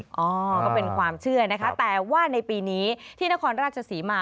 ก็เป็นความเชื่อนะคะแต่ว่าในปีนี้ที่นครราชศรีมา